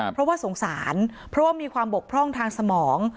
เพราะว่าสงสารเพราะว่ามีความบกพร่องทางสมอง